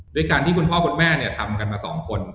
ด้วยการที่คุณพ่อคุณแม่ทำกันมา๒คน